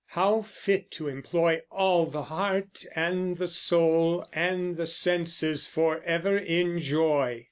how fit to employ All the heart and the soul and the senses for ever in joy!